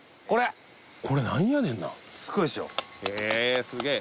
これへえすげえ